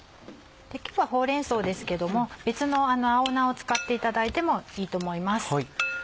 今日はほうれん草ですけども別の青菜を使っていただいてもいいと思います。